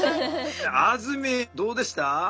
あずみんどうでした？